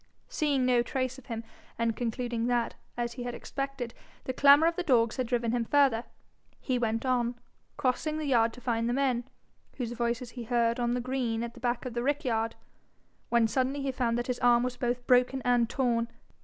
Seeing no trace of him, and concluding that, as he had expected, the clamour of the dogs had driven him further, he went on, crossing the yard to find the men, whose voices he heard on the green at the back of the rick yard, when suddenly he found that his arm was both broken and torn.